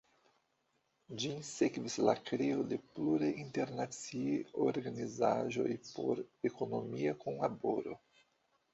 Ĝin sekvis la kreo de pluraj internaciaj organizaĵoj por ekonomia kunlaboro.